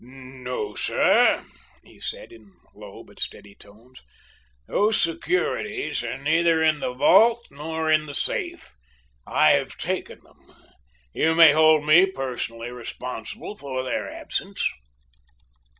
"No, sir," he said, in a low but steady tone; "those securities are neither in the safe nor in the vault. I have taken them. You may hold me personally responsible for their absence."